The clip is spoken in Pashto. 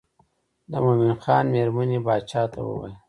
د مومن خان مېرمنې باچا ته وویل.